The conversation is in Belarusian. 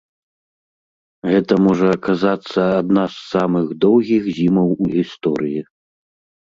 Гэта можа аказацца адна з самых доўгіх зімаў у гісторыі.